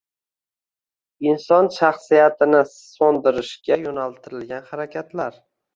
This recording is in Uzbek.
inson shaxsiyatini so‘ndirishga yo‘naltirilgan harakatlar